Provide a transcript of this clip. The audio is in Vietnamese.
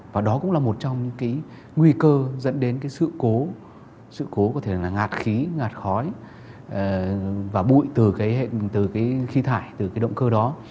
và đó cũng là một trong những nguy cơ dẫn đến sự cố sự cố có thể là ngạt khí ngạt khói và bụi từ khí thải từ động cơ đó